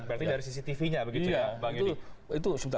berarti dari cctv nya begitu ya bang jul